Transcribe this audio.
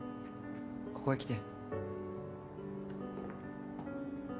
ここへ来て。